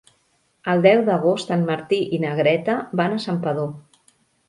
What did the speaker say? El deu d'agost en Martí i na Greta van a Santpedor.